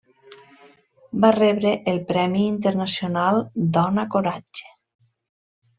Va rebre el Premi Internacional Dona Coratge.